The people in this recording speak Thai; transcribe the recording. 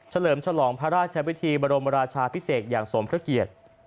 เลิมฉลองพระราชวิธีบรมราชาพิเศษอย่างสมพระเกียรติ